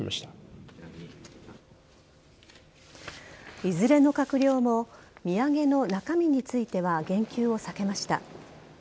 いずれの閣僚も、土産の中身については言及を避けました。